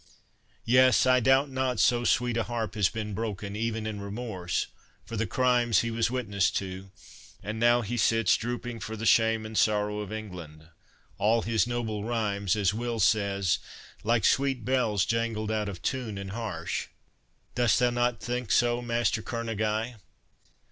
Yes, I doubt not so sweet a harp has been broken, even in remorse, for the crimes he was witness to; and now he sits drooping for the shame and sorrow of England,—all his noble rhymes, as Will says, 'Like sweet bells jangled out of tune and harsh.' Dost thou not think so, Master Kerneguy?"